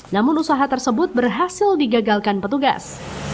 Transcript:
namun usaha tersebut berhasil digagalkan petugas